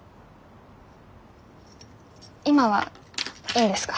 今はいいんですか？